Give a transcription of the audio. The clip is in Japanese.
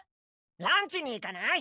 ランチに行かない？